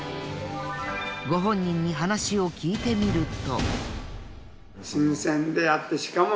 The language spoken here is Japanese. ご本人に話を聞いてみると。